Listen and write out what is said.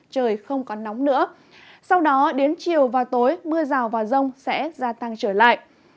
trời không còn nóng nữa sau đó đến chiều và tối mưa rào và rông sẽ gia tăng trở lại